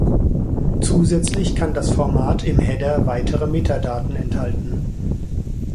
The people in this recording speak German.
Zusätzlich kann das Format im Header weitere Metadaten enthalten.